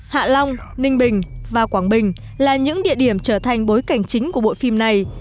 hạ long ninh bình và quảng bình là những địa điểm trở thành bối cảnh chính của bộ phim này